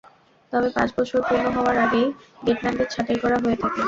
তবে পাঁচ বছর পূর্ণ হওয়ার আগেই গেটম্যানদের ছাঁটাই করা হয়ে থাকে।